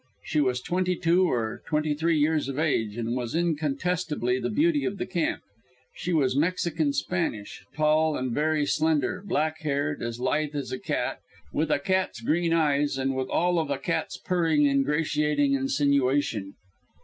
She was twenty two or twenty three years of age, and was incontestably the beauty of the camp. She was Mexican Spanish, tall and very slender, black haired, as lithe as a cat, with a cat's green eyes and with all of a cat's purring, ingratiating insinuation.